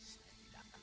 saya tidak akan